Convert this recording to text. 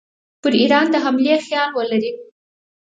پر ایران د حملې خیال ولري.